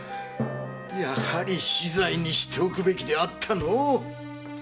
やはり死罪にしておくべきであったのう。